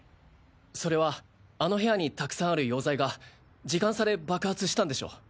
それはあの部屋にたくさんある溶剤が時間差で爆発したんでしょう。